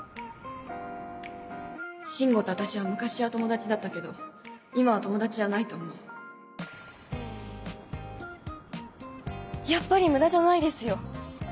進吾と私は昔は友達だったけど今は友達じゃないと思うやっぱり無駄じゃないですよ。